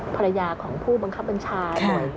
ภรรยาของผู้บังคับบัญชา